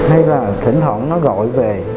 hay là thỉnh thoảng nó gọi về